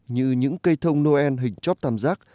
như những cây thông noel hình chóp tam giác